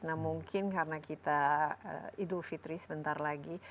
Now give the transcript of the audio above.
nah mungkin karena kita idul fitri sebentar lagi